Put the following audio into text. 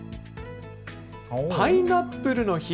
パイナップルの日。